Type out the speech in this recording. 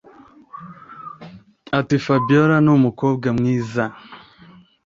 ati”fabiora mukobwa mwiza”